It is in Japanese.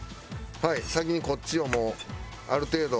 はい先にこっちをもうある程度。